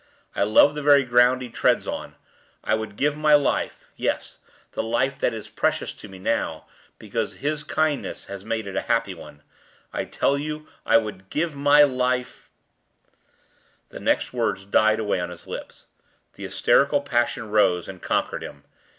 I love the very ground he treads on! I would give my life yes, the life that is precious to me now, because his kindness has made it a happy one I tell you I would give my life " The next words died away on his lips; the hysterical passion rose, and conquered him.